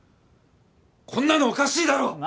こんなのおかしいだろ！